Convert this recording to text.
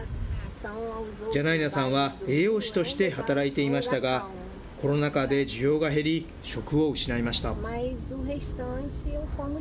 ジャナイナさんは栄養士として働いていましたが、コロナ禍で需要が減り、職を失いました。